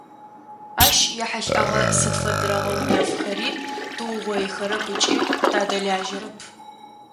Ащ ехьылӏэгъэ сыд фэдэрэ гъэунэфхэри тыугъоихэрэп ыкӏи тадэлажьэрэп.